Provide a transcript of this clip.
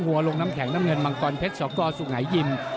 ลงน้ำแข็งน้ำเงินมังกรเพชรสกสุงหายิม